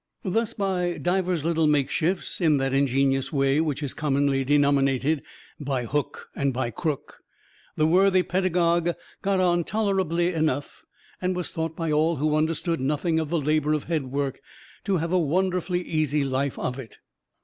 Thus by divers little makeshifts, in that ingenious way which is commonly denominated "by hook and by crook," the worthy pedagogue got on tolerably enough, and was thought, by all who understood nothing of the labor of head work, to have a wonderfully easy life of it.